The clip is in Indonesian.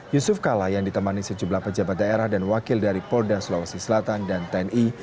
yusuf kala yang ditemani sejumlah pejabat daerah dan wakil dari polda sulawesi selatan dan tni